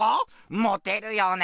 モテるよね。